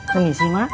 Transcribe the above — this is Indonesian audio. kami sih mak